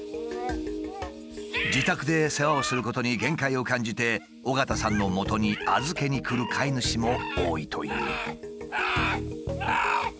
自宅で世話をすることに限界を感じて緒方さんのもとに預けにくる飼い主も多いという。